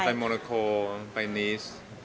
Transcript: เก๋จะมีโอกาสได้ชุดคู่กับผู้ชายที่สุดของเก๋